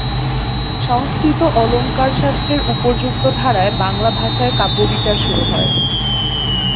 সংস্কৃত অলঙ্কারশাস্ত্রের উপর্যুক্ত ধারায় বাংলা ভাষায় কাব্যবিচার শুরু হয়।